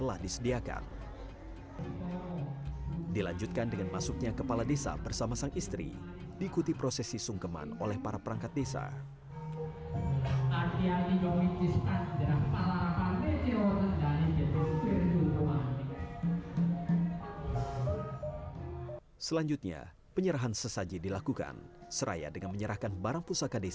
ribuan masyarakat menikmati hiburan rakyat